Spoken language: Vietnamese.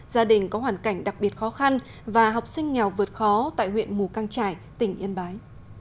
gia đình có hoàn cảnh đặc biệt khó khăn và học sinh nghèo vượt khó tại huyện mù căng trải tỉnh yên bái